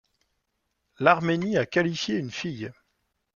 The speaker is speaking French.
L'Arménie a qualifié une fille.